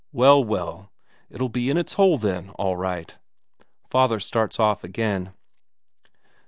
Well, well, it'll be in its hole then, all right." Father starts off again.